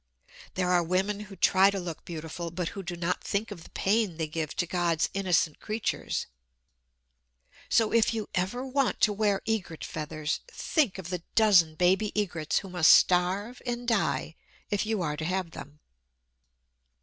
There are women who try to look beautiful, but who do not think of the pain they give to God's innocent creatures. So, if ever you want to wear egret feathers, think of the dozen baby egrets who must starve and die if you are to have them.